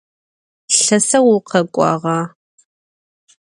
Lheseu vukhek'uağa?